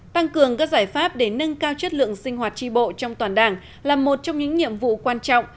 tăng cường các giải pháp để nâng cao chất lượng sinh hoạt tri bộ trong toàn đảng là một trong những nhiệm vụ quan trọng